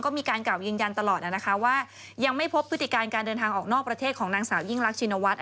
ก็มีการกล่าวยืนยันตลอดนะคะว่ายังไม่พบพฤติการการเดินทางออกนอกประเทศของนางสาวยิ่งรักชินวัฒน์